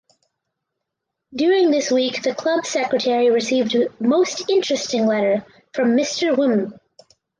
During this week the club secretary received most interesting letter from Mr Wm.